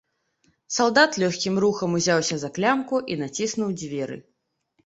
Салдат лёгкім рухам узяўся за клямку і націснуў дзверы.